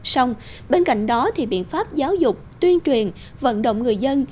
xong bên cạnh đó thì biện pháp giáo dục tuyên truyền vận động người dân